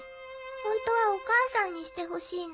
本当はお母さんにしてほしいの。